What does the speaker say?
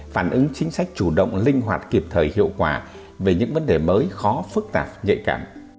phản ứng chính sách chủ động linh hoạt kịp thời hiệu quả về những vấn đề mới khó phức tạp nhạy cảm